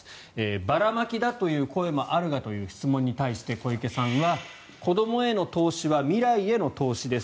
ばらまきだという声もあるがという質問に対して小池さんは子どもへの投資は未来への投資です